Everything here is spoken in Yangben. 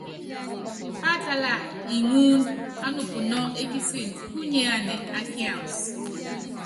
Páatála iŋíud á nupunɔ́ ékísin kúnyɛ́ anɛ á kians.